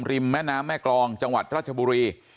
แม่น้ำแม่กรองจังหวัดราชบุรี